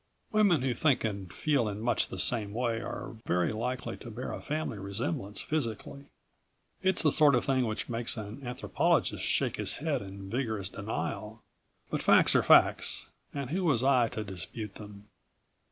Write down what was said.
Women who think and feel in much the same way are very likely to bear a family resemblance physically. It's the sort of thing which makes an anthropologist shake his head in vigorous denial. But facts are facts and who was I to dispute them?